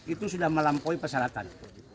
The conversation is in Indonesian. itu sudah melampaui persyaratan